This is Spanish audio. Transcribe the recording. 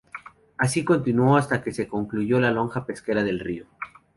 Así continuó hasta que se concluyó la lonja pesquera del río.